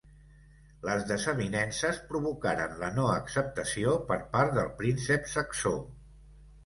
Les desavinences provocaren la no acceptació per part del príncep saxó.